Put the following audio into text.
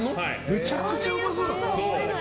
めちゃくちゃうまそう。